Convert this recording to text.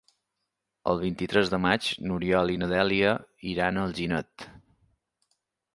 El vint-i-tres de maig n'Oriol i na Dèlia iran a Alginet.